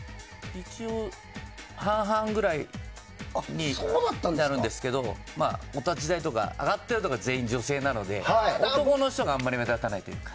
一応半々ぐらいになるんですけどお立ち台とか上がってるのは全員女性なので男の人があまり目立たないというか。